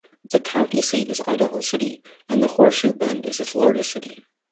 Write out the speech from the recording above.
The county seat is Idaho City, and Horseshoe Bend is its largest city.